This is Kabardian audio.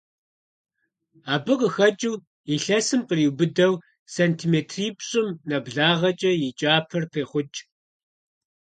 Абы къыхэкIыу, илъэсым къриубыдэу сантиметрипщIым нэблагъэкIэ и кIапэр пехъукI.